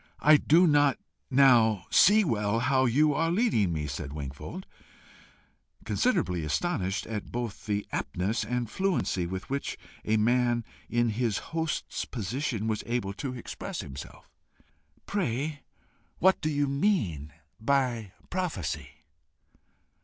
"I do not now see well how you are leading me," said Wingfold, considerably astonished at both the aptness and fluency with which a man in his host's position was able to express himself. "Pray, what do you mean by PROPHECY?"